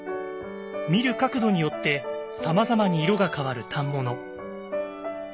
見る角度によってさまざまに色が変わる反物。